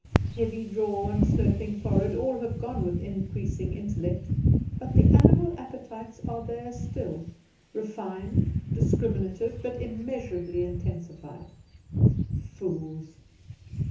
Heavy jaw and sloping forehead all have gone with increasing intellect; but the animal appetites are there still refined, discriminative, but immeasurably intensified. Fools!